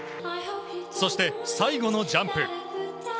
そして、最後のジャンプ。